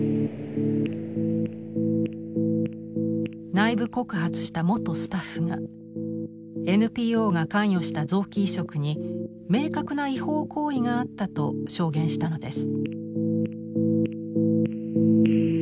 内部告発した元スタッフが「ＮＰＯが関与した臓器移植に明確な違法行為があった」と証言したのです。